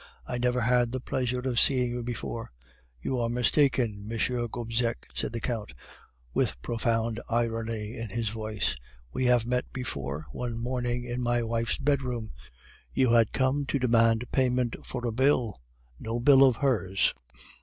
I never had the pleasure of seeing you before.' "'You are mistaken, M. Gobseck,' said the Count, with profound irony in his voice. 'We have met before, one morning in my wife's bedroom. You had come to demand payment for a bill no bill of hers.